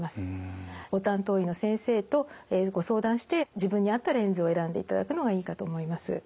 ご担当医の先生とご相談して自分に合ったレンズを選んでいただくのがいいかと思います。